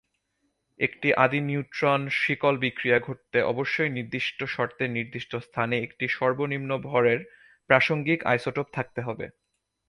একটি আদি নিউট্রন শিকল বিক্রিয়া ঘটতে অবশ্যই নির্দিষ্ট শর্তে নির্দিষ্ট স্থানে একটি সর্বনিম্ন ভরের প্রাসঙ্গিক আইসোটোপ থাকতে হবে।